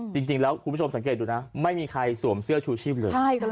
คุณผู้ชมสังเกตดูนะไม่มีใครสวมเสื้อชูชีพเลย